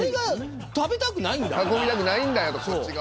囲みたくないんだよとこっち側が。